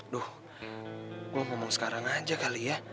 duh gue ngomong sekarang aja kali ya